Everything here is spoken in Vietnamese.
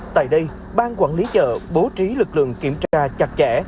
tại đây bang quản lý chợ bố trí lực lượng kiểm tra chặt chẽ